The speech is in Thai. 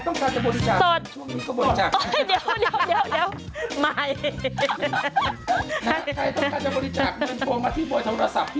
ใครต้องการให้บวชจัก